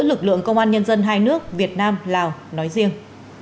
lực lượng công an nhân dân hai nước việt nam lào nói riêng